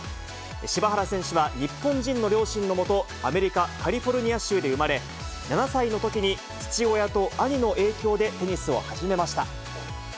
柴原選手は日本人の両親のもと、アメリカ・カリフォルニア州で生まれ、７歳のときに父親と兄の影響でテニスを始めました。